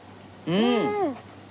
うん！